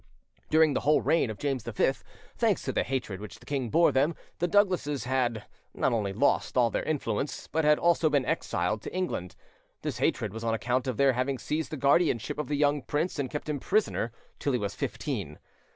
During the whole reign of James V, thanks to the hatred which the king bore them, the Douglases had: not only lost all their influence, but had also been exiled to England. This hatred was on account of their having seized the guardianship of the young prince and kept him prisoner till he was fifteen.